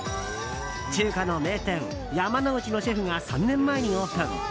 中華の名店、山之内のシェフが３年前にオープン。